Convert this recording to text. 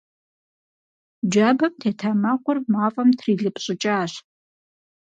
Джабэм тета мэкъур мафӀэм трилыпщӀыкӀащ.